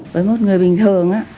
với một người bình thường